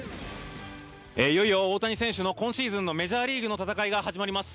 いよいよ大谷選手の今シーズンのメジャーリーグの戦いが始まります。